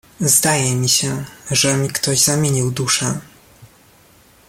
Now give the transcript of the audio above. "Zdaje mi się, że mi ktoś zamienił duszę!“..."